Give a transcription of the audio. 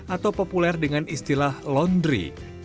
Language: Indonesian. atau populer dengan istilah laundry